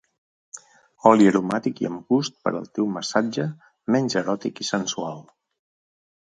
Oli aromàtic i amb gust per al teu massatge menys eròtic i sensual.